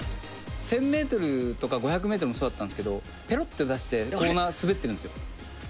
１０００ｍとか５００ｍもそうだったんですけどペロッて出してコーナー滑ってるんですよ。